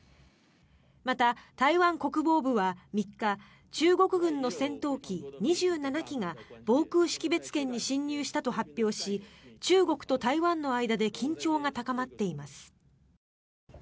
また、台湾国防部は３日中国軍の戦闘機２７機が防空識別圏に進入したと発表し中国と台湾の間で緊張が高まっています。